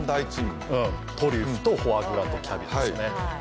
トリュフ、フォアグラ、キャビアですね。